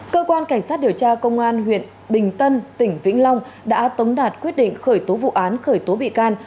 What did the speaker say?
cơ quan cảnh sát điều tra công an huyện bình tân tỉnh vĩnh long đã tống đạt quyết định khởi tố vụ án khởi tố bị can